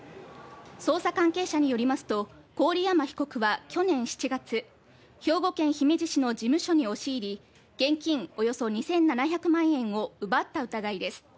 捜査関係者によりますと郡山被告は去年７月、兵庫県姫路市の事務所に押し入り、現金およそ２７００万円を奪った疑いです。